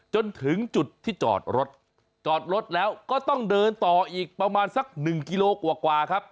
จนถึงจุดที่จอดรถจอดรถแล้วก็ต้องเดินต่ออีกประมาณสักหนึ่งกิโลกว่าครับ